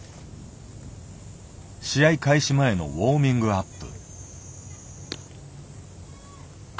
試合開始前のウォーミングアップ。